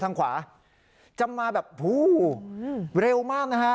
ทางขวาจะมาแบบผู้เร็วมากนะฮะ